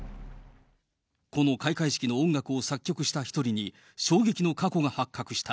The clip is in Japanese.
この開会式の音楽を作曲した一人に、衝撃の過去が発覚した。